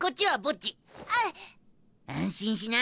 安心しな。